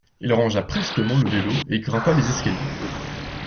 Il rangea prestement le vélo et grimpa les escaliers.